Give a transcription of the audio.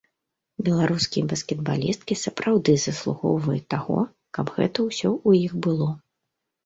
Беларускія баскетбалісткі сапраўды заслугоўваюць таго, каб гэта ўсё ў іх было.